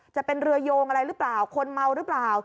จะเป็นเรือโยงอะไรหรือเปล่าคนเมาหรือเปล่า